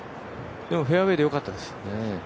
でもフェアウエーでよかったです。